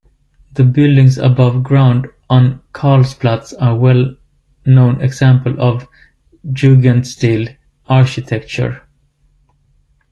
The buildings above ground on Karlsplatz are a well-known example of "Jugendstil" architecture.